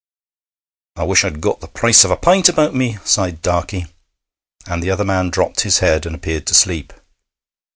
'I wish I'd got the price of a pint about me,' sighed Darkey, and the other man dropped his head and appeared to sleep.